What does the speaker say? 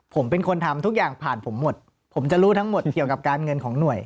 ผมเป็นคนทำทุกอย่างผ่านผมหมดผมจะรู้ทั้งหมดเกี่ยวกับการเงินของหน่วย